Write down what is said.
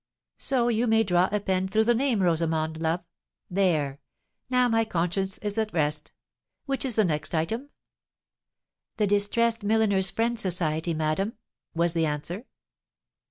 So you may draw a pen through the name, Rosamond, love. There!—now my conscience is at rest. Which is the next item?" "The Distressed Milliners' Friends Society, madam," was the answer.